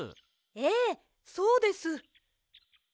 ええそうです。